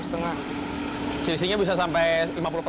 sisi sisi bisa sampai lima puluh ya